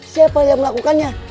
siapa yang melakukannya